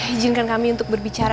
ijinkan kami untuk berbicara